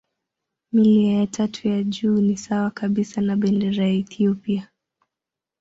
Milia ya tatu ya juu ni sawa kabisa na bendera ya Ethiopia.